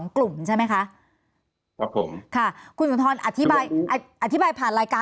กลุ่มใช่ไหมคะครับผมค่ะคุณสุนทรอธิบายอธิบายผ่านรายการ